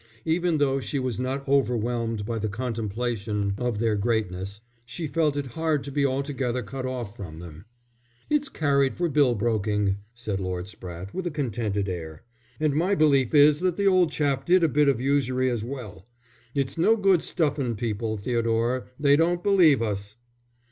Even though she was not overwhelmed by the contemplation of their greatness, she felt it hard to be altogether cut off from them. "It's carried for bill broking," said Lord Spratte, with a contented air. "And my belief is that the old chap did a bit of usury as well. It's no good stuffin' people, Theodore, they don't believe us."